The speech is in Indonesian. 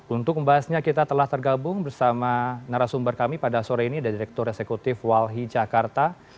untuk membahasnya kita telah tergabung bersama narasumber kami pada sore ini dari direktur eksekutif walhi jakarta